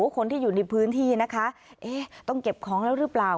คนที่อยู่ในพื้นที่นะคะต้องเก็บของแล้วหรือเปล่า